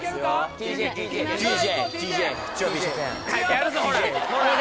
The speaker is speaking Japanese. やるぞほらほら。